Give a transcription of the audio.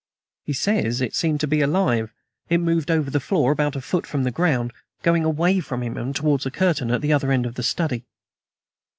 He says it seemed to be alive. It moved over the floor, about a foot from the ground, going away from him and towards a curtain at the other end of the study."